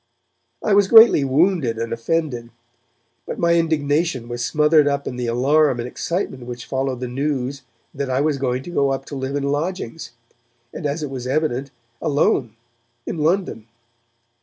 I was greatly wounded and offended, but my indignation was smothered up in the alarm and excitement which followed the news that I was to go up to live in lodgings, and, as it was evident, alone, in London.